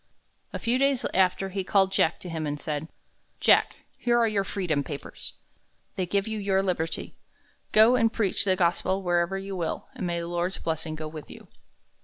A few days after, he called Jack to him and said: "Jack, here are your freedom papers. They give you your liberty. Go and preach the gospel wherever you will, and may the Lord's blessing go with you."